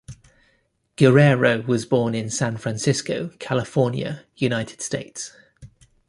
Guerrero was born in San Francisco, California, United States.